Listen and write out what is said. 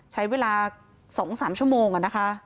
ใช้เวลา๒๓ชั่วโมงนะคะ